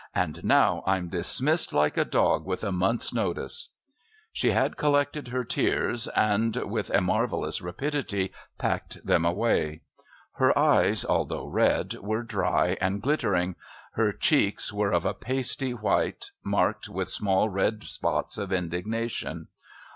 And now I'm dismissed like a dog with a month's notice." She had collected her tears and, with a marvellous rapidity, packed them away. Her eyes, although red, were dry and glittering; her cheeks were of a pasty white marked with small red spots of indignation.